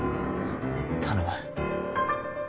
頼む。